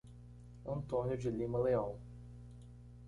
Antônio de Lima Leao